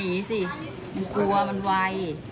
หนีสิมันกลัวมันวาย